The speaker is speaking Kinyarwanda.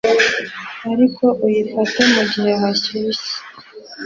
ariko uyifate mugihe hashyushye